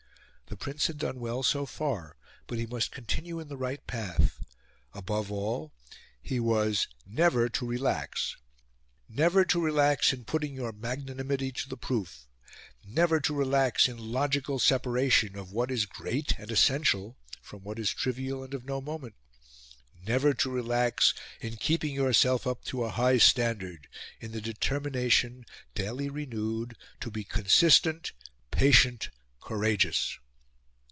The Prince had done well so far; but he must continue in the right path; above all, he was "never to relax." "Never to relax in putting your magnanimity to the proof; never to relax in logical separation of what is great and essential from what is trivial and of no moment; never to relax in keeping yourself up to a high standard in the determination, daily renewed, to be consistent, patient, courageous."